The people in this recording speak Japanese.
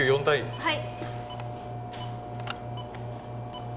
はい。